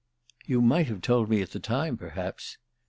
"You might have told me at the time perhaps."